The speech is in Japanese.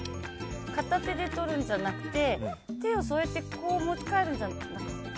片手で取るんじゃなくて手を添えてこう持ち替えるんじゃない？